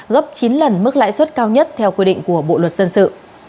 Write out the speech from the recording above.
gấp chín lần mức lãi suất cao nhất theo quy định của bộ luật dân sự